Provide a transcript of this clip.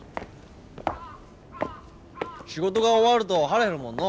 仕事が終わると腹減るもんのう。